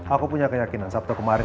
aku punya keyakinan sabtu kemarin